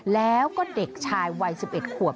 แล้วก็เด็กชายวัย๑๑ขวบ